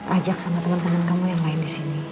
ajak sama temen temen kamu yang lain disini